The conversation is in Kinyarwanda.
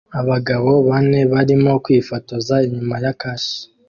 Abagabo bane barimo kwifotoza inyuma ya kashi